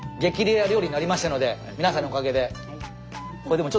レア料理になりましたので皆さんのおかげで。